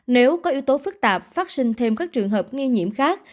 nếu có yếu tố phức tạp phát sinh thêm các trường hợp nghi nhiễm khác